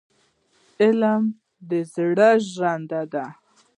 علم د زړه ژوند دی.